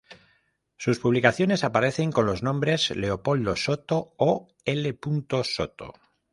Sus publicaciones aparecen con los nombres: Leopoldo Soto o L. Soto.